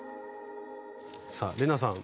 さあ玲奈さん